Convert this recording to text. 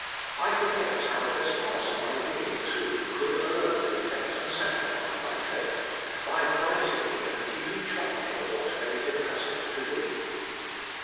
I forgot how this part of my being too could alone be kept and sanctified by faith, by Thy taking and keeping charge of what faith entrusted to Thee.